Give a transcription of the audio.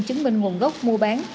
chứng minh nguồn gốc mua bán